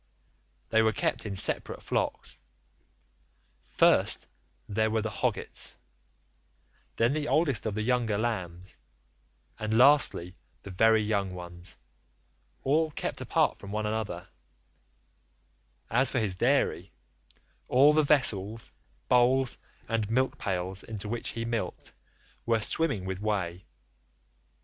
They were kept in separate flocks; first there were the hoggets, then the oldest of the younger lambs and lastly the very young ones80 all kept apart from one another; as for his dairy, all the vessels, bowls, and milk pails into which he milked, were swimming with whey.